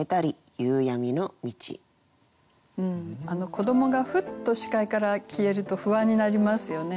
子どもがふっと視界から消えると不安になりますよね。